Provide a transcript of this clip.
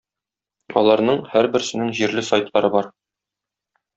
Аларның һәрберсенең җирле сайтлары бар.